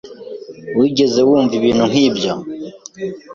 Wigeze wumva ibintu nk'ibyo?